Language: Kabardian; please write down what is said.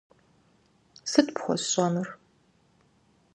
- Сыт пхуэсщӏэнур?